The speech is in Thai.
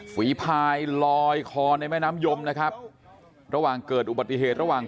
ฝีพายลอยคอในแม่น้ำยมนะครับระหว่างเกิดอุบัติเหตุระหว่าง